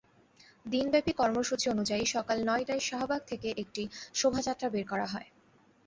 দিনব্যাপী কর্মসূচি অনুযায়ী সকাল নয়টায় শাহবাগ থেকে একটি শোভাযাত্রা বের করা হয়।